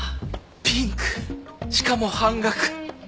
ピンクしかも半額。